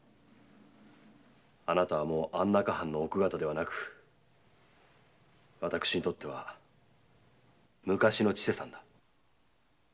あなたはもう安中藩の奥方ではなく私にとって昔の千世さんだ。